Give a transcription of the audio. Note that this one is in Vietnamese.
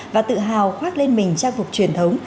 và tự hào khoác lên mình trang phục truyền thống